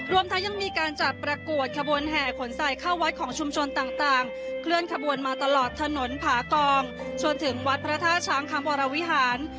รวมทั้งยังมีการจัดประกวดขบวนแห่ขนใส่เข้าวัดของชุมชนต่างเคลื่อนขบวนมาตลอดถนนผากองจนถึงวัดพระท่าช้างคำวรวิหาร